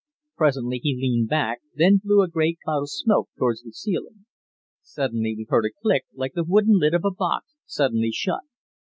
Presently he leaned back, then blew a great cloud of smoke towards the ceiling. Suddenly we heard a click, like the wooden lid of a box suddenly shut.